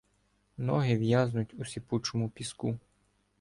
Ноги в'язнуть у сипучому піску.